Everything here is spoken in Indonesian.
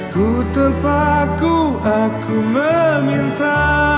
cuthandu aku meminta